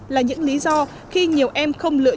là những lý do khi nhiều em không lựa